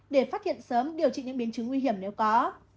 để phát hiện sớm điều trị những biến chứng nguy hiểm nếu có